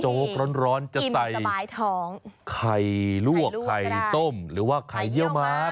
เจาะร้อนจะใส่ไข่ลวกไข่ต้มหรือว่าไข่เยี่ยวมาก